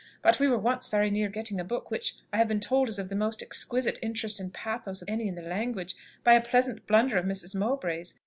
But we were once very near getting a book, which, I have been told, is of the most exquisite interest and pathos of any in the language, by a pleasant blunder of Mrs. Mowbray's.